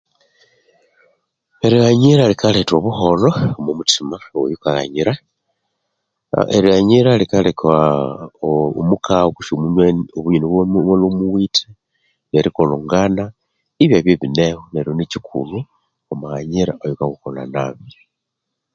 Erighanyira rikaletha obuholho omwamuthima woyukaghanyira